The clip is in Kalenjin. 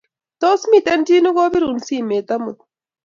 Tos, miten chi nogobirun simet amut?